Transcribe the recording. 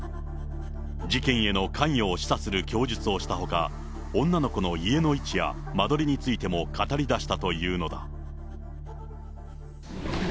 事件への関与を示唆する供述をしたほか、女の子の家の位置や間取りについても、語りだしたというのだ。